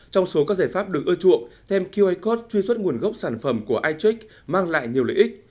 trong số các giải pháp được ưa chuộng thêm qi cod truy xuất nguồn gốc sản phẩm của itrack mang lại nhiều lợi ích